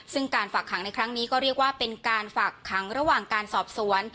ซึ่งการฝากขังในครั้งนี้ก็เรียกว่าเป็นการฝากขังระหว่างการสอบสวน